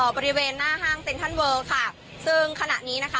บริเวณหน้าห้างเซ็นทรัลเวิลค่ะซึ่งขณะนี้นะคะ